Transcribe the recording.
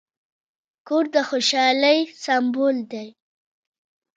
کور د خوشحالۍ سمبول دی.